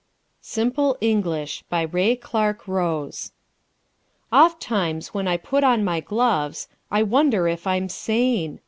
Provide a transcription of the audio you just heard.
SIMPLE ENGLISH BY RAY CLARKE ROSE Ofttimes when I put on my gloves, I wonder if I'm sane.